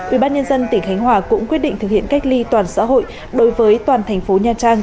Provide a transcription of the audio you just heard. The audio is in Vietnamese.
ubnd tỉnh khánh hòa cũng quyết định thực hiện cách ly toàn xã hội đối với toàn thành phố nha trang